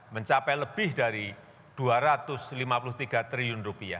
mencapai lebih dari rp dua ratus lima puluh tiga triliun